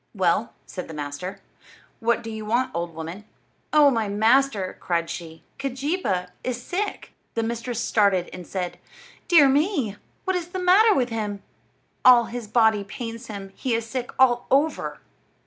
"Well," said the master, "what do you want, old woman?" "Oh, my master," cried she, "Keejeepaa is sick!" The mistress started and said: "Dear me! What is the matter with him?" "All his body pains him. He is sick all over."